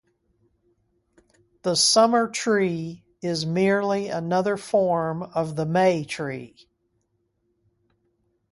The Summer-tree is merely another form of the May-tree.